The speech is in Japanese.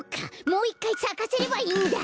もういっかいさかせればいいんだ！